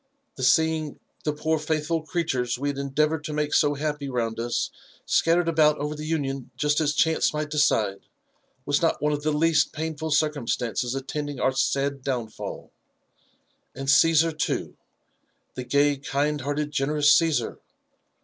The seeing the poor faithful creatures we had endeavoured to make so happy round us scattered about over the Union just as chance might decide, was not one of the least painful circumstances attending our 68 UFB AND ADVENTURES OF sad dowahll. Aad Gssar, too,— Uie gay, kind hearted, generooa Caesar